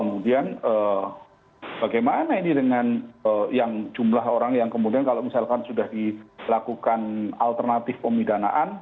kemudian bagaimana ini dengan jumlah orang yang kemudian kalau misalkan sudah dilakukan alternatif pemidanaan